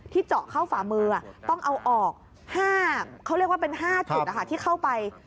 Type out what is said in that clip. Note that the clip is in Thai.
ที่เจาะเข้าฝ่ามืออ่ะต้องเอาออก๕เขาเรียกว่าเป็น๕ถึงนะคะที่เข้าไป